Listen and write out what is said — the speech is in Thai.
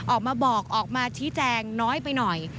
ออกมาบอกออกมาชี้แจงน้อยไปหน่อย